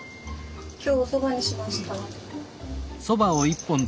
今日おそばにしました。